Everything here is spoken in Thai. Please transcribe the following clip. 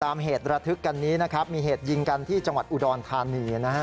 เหตุระทึกกันนี้นะครับมีเหตุยิงกันที่จังหวัดอุดรธานีนะฮะ